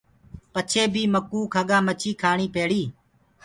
پچهي بي مڪوُ کڳآ مڇيٚ کآڻيٚ پيڙيٚ۔